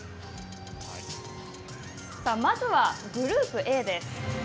まずはグループＡです。